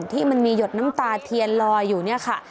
ที่มันมีหยดน้ำตาเทียนลอยอยู่เนี่ยค่ะ